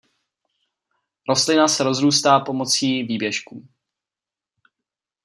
Rostlina se rozrůstá pomocí výběžků.